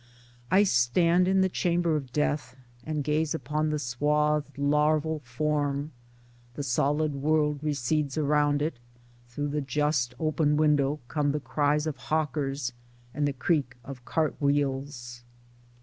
I stand in the chamber of Death and gaze upon the swathed larval form — the solid world recedes around it; 88 Towards Democracy through the just open window come the cries of hawkers and the creak of cart wheels.